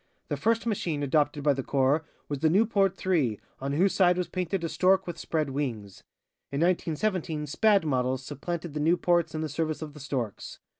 The first machine adopted by the corps was the Nieuport 3, on whose side was painted a stork with spread wings. In 1917, Spad models supplanted the Nieuports in the service of The Storks.